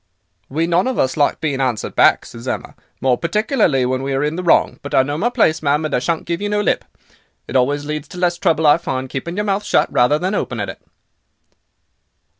"'We none of us like being answered back,' says Emma, 'more particularly when we are in the wrong. But I know my place ma'am, and I shan't give you no lip. It always leads to less trouble, I find, keeping your mouth shut, rather than opening it.